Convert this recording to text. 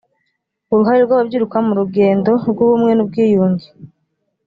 uruhare rw’ababyiruka mu rugendo rw’ubumwe n’ubwiyunge